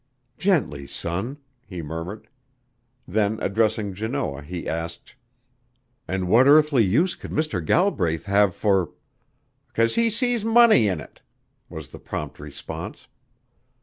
"Gently, son," he murmured. Then addressing Janoah he asked: "An' what earthly use could Mr. Galbraith have for " "'Cause he sees money in it," was the prompt response.